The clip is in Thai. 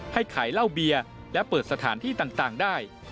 ให้ขายเหล้าเบียร์และเปิดสถานที่ต่างได้